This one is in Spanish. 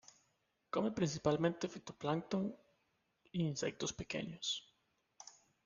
Come principalmente fitoplancton y insectos pequeños.